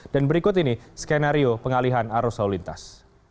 dan berikut ini skenario pengalihan arus lalu lintas